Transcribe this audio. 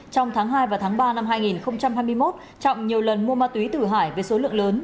trong tháng hai và tháng ba năm hai nghìn hai mươi một trọng nhiều lần mua ma túy từ hải với số lượng lớn